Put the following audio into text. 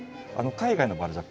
海外のバラじゃ